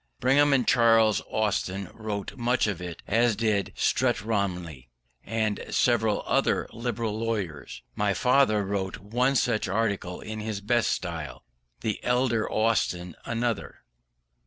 Bingham and Charles Austin wrote much in it; as did Strutt, Romilly, and several other Liberal lawyers. My father wrote one article in his best style; the elder Austin another.